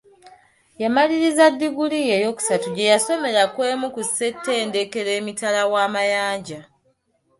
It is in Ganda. Yamaliriza ddiguli ye eyokusatu gye yasomera ku emu ku ssetendekero emitala w'amayanja.